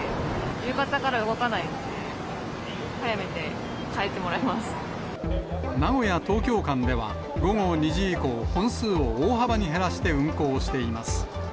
夕方から動かないので、名古屋・東京間では、午後２時以降、本数を大幅に減らして運行しています。